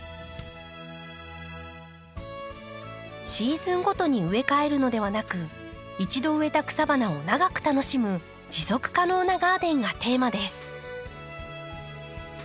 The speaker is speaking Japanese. シーズンごとに植え替えるのではなく一度植えた草花を長く楽しむ持続可能なガーデンがテーマです。